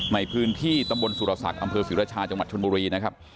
ในพื้นที่ตำบลสุรศักดิ์อำเภอศรีรชาจังหวัดชนบุรีนะครับ